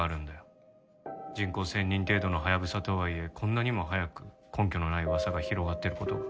人口１０００人程度のハヤブサとはいえこんなにも早く根拠のない噂が広がってる事が。